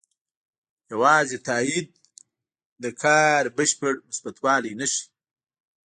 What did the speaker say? یوازې تایید د کار بشپړ مثبتوالی نه ښيي.